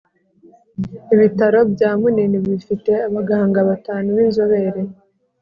ibitaro bya munini bifite abaganga batanu b’inzobere,